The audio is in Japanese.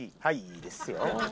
はいいいですよ。